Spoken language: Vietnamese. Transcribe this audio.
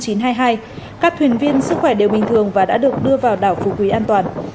các thuyền viên sức khỏe đều bình thường và đã được đưa vào đảo phú quý an toàn